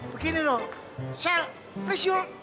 begini loh sel presyul